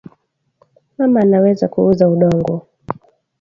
Mama anaweza ku uza udongo